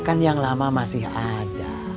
kan yang lama masih ada